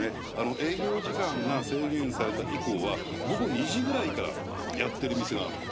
営業時間が制限された以降は午後２時ぐらいからやってる店があって。